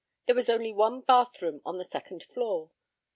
There was only one bathroom on the second floor.